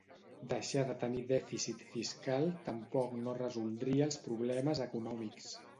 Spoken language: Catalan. Deixar de tenir dèficit fiscal tampoc no resoldria els problemes econòmics.